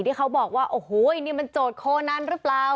ที่เขาบอกว่าโอ้โหนี่มันโจทย์โคนันหรือเปล่า